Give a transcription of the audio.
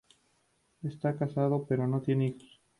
Está casado, pero no tiene hijos.